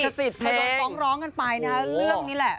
ลิขสิทธิ์เพลงถ้าโดนต้องร้องกันไปนะเรื่องนี้แหละ